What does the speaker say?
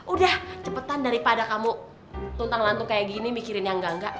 udah cepetan daripada kamu tuntang lantung kaya gini mikirin yang engga engga